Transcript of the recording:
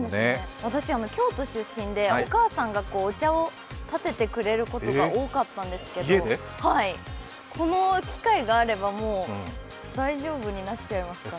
私、京都出身で、お母さんがお茶をたててくれることが多かったんですけどこの機械があれば、もう大丈夫になっちゃいますね。